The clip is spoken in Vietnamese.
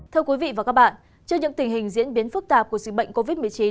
thưa quý vị và các bạn trước những tình hình diễn biến phức tạp của dịch bệnh covid một mươi chín